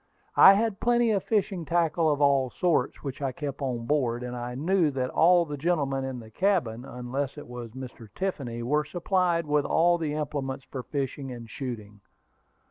I had plenty of fishing tackle of all sorts which I kept on board; and I knew that all the gentlemen in the cabin, unless it was Mr. Tiffany, were supplied with all the implements for fishing and shooting.